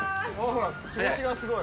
気持ちがすごい。